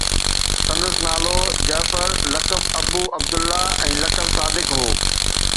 سندس نالو جعفر، لقب ابو عبدالله ۽ لقب صادق هو